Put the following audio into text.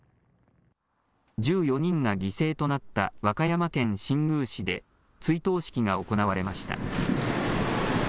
１４人が犠牲となった和歌山県新宮市で追悼式が行われました。